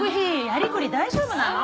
やりくり大丈夫なの？